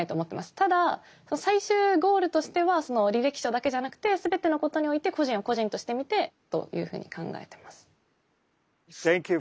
ただ最終ゴールとしては履歴書だけじゃなくて全てのことにおいて個人を個人として見てというふうに考えてます。